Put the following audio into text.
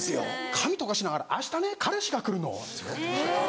髪とかしながら「あしたね彼氏が来るの」ですよ。